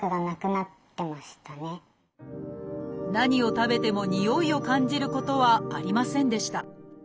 何を食べてもにおいを感じることはありませんでした。